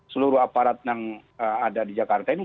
seluruh aparat yang ada di jakarta ini